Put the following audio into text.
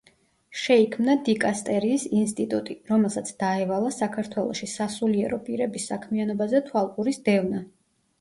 შეიქმნა დიკასტერიის ინსტიტუტი, რომელსაც დაევალა საქართველოში სასულიერო პირების საქმიანობაზე თვალყურის დევნა.